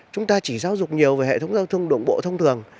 chúng ta chỉ giáo dục nhiều về hệ thống giao thông đường bộ thông thường